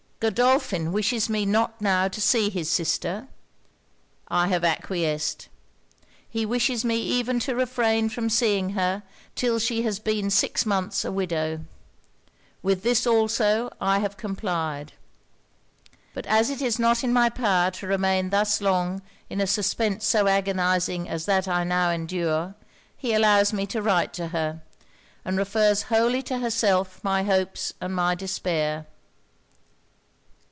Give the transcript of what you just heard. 'Godolphin wishes me not now to see his sister. I have acquiesced. He wishes me even to refrain from seeing her till she has been six months a widow. With this, also, I have complied. But as it is not in my power to remain thus long in a suspence so agonizing as that I now endure, he allows me to write to her, and refers wholly to herself my hopes and my despair.